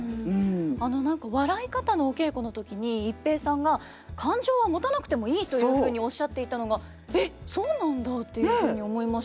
あの何か笑い方のお稽古の時に逸平さんが「感情はもたなくてもいい」というふうにおっしゃっていたのが「えっそうなんだ」っていうふうに思いました。